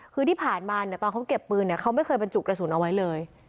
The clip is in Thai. คือที่ผ่านมาเนี่ยตอนเขาเก็บปืนเขาไม่เคยบรรจุกระสุนเอาไว้เลย